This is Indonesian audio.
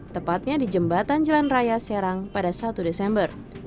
tepatnya di jembatan jalan raya serang pada satu desember